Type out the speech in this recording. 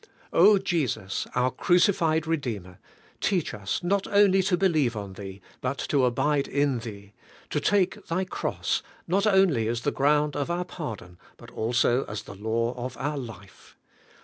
Jesus, our crucified Kedeemer, teach ns not only to believe on Thee, but to abide in Thee, to take Thy Cross not only as the ground of our pardon, but also as the law of our life.